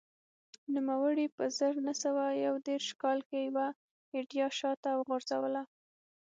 نوموړي په زر نه سوه یو دېرش کال کې یوه ایډیا شا ته وغورځوله